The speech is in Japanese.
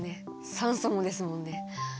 酸素もですもんね。